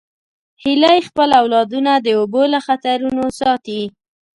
هیلۍ خپل اولادونه د اوبو له خطرونو ساتي